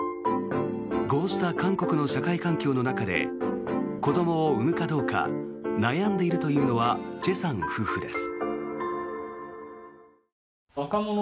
こうした韓国の社会環境の中で子どもを産むかどうか悩んでいるというのはチェさん夫婦です。